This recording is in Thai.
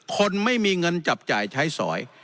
คนไม่มีเงินจับจ่ายใช้สอย